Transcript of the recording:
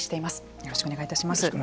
よろしくお願いします。